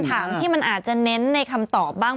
ถามที่มันอาจจะเน้นในคำตอบบ้าง